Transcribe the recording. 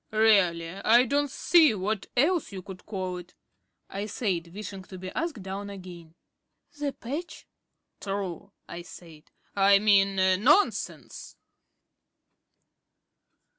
"Really, I don't see what else you could call it," I said, wishing to be asked down again. "The patch." "True," I said. "I mean, Nonsense."